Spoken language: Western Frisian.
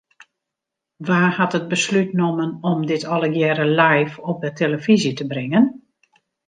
Wa hat it beslút nommen om dit allegearre live op 'e telefyzje te bringen?